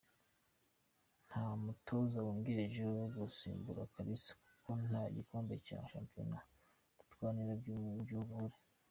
Nta mutoza wungirije wo gusimbura Kalisa kuko nta gikombe cya shampiyona turwanira-Byumvuhore.